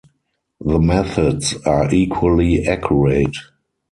The methods are equally accurate.